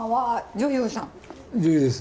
女優です。